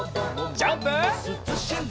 ジャンプ！